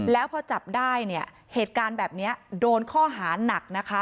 แล้วพอจับได้เนี่ยเหตุการณ์แบบนี้โดนข้อหานักนะคะ